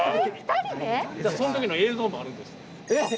その時の映像もあるんです。